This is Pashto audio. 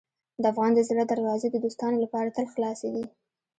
د افغان د زړه دروازې د دوستانو لپاره تل خلاصې دي.